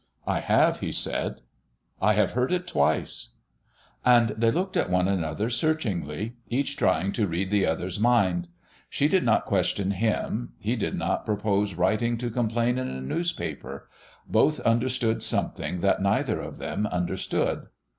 "I have," he said. "I have heard it twice." And they looked at one another searchingly, each trying to read the other's mind. She did not question him; he did not propose writing to complain in a newspaper; both understood something that neither of them understood.